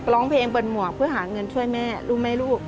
ร้องเพลงเปิดหมวกเพื่อหาเงินช่วยแม่รู้ไหมลูก